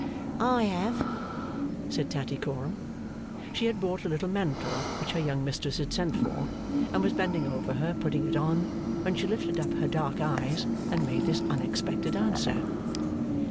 'I have,' said Tattycoram. She had brought a little mantle which her young mistress had sent for, and was bending over her, putting it on, when she lifted up her dark eyes and made this unexpected answer.